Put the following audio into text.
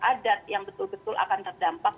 adat yang betul betul akan terdampak